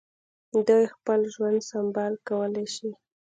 دوی خپل ژوند سمبال کولای شي.